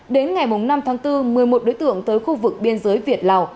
đến ngày năm tháng bốn một mươi một đối tượng tới khu vực biên giới việt lào